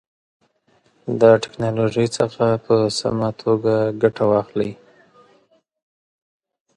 د تکنالوژۍ څخه په سمه توګه ګټه واخلئ.